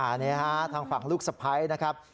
อันนี้ฮะทางฝั่งลูกสะพ้ายนะครับ